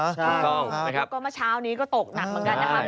แล้วก็เมื่อเช้านี้ก็ตกหนักเหมือนกันค่ะ